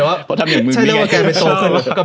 เพราะทำอย่างมึงมีไง